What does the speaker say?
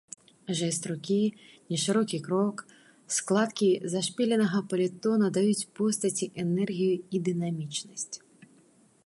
Жэст рукі, нешырокі крок, складкі зашпіленага паліто надаюць постаці энергію і дынамічнасць.